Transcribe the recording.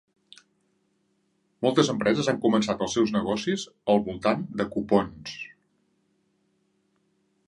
Moltes empreses han començat els seus negocis al voltant de cupons.